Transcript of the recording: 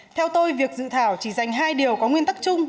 theo tôi việc dự thảo chỉ dành hai điều có nguyên tắc chung